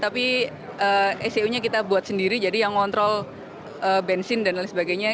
tapi ecu nya kita buat sendiri jadi yang ngontrol bensin dan lain sebagainya